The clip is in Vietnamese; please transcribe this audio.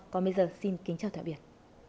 còn bây giờ xin kính chào tạm biệt